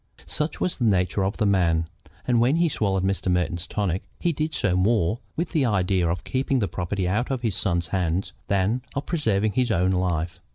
Such was the nature of the man, and when he swallowed Mr. Merton's tonics he did so more with the idea of keeping the property out of his son's hands than of preserving his own life.